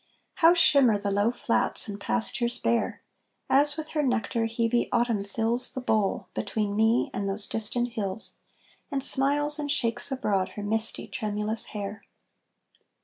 How shimmer the low flats and pastures bare, As with her nectar Hebe Autumn fills The bowl between me and those distant hills, And smiles and shakes abroad her misty, tremulous hair!